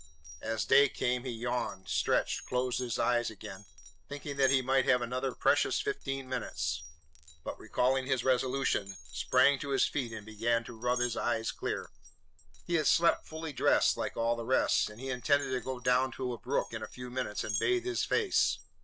As day came he yawned, stretched, closed his eyes again, thinking that he might have another precious fifteen minutes, but, recalling his resolution, sprang to his feet and began to rub his eyes clear. He had slept fully dressed, like all the rest, and he intended to go down to a brook in a few minutes and bathe his face.